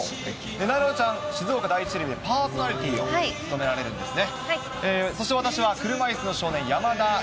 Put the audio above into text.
なえなのちゃん、静岡第一テレビでパーソナリティーを務められるんですね。